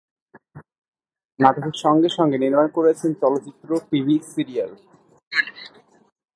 নাটকের সঙ্গে সঙ্গে নির্মাণ করেছেন চলচ্চিত্র, টিভি সিরিয়াল।